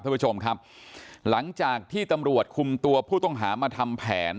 ท่านผู้ชมครับหลังจากที่ตำรวจคุมตัวผู้ต้องหามาทำแผน